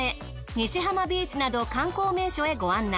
ニシハマビーチなど観光名所へご案内。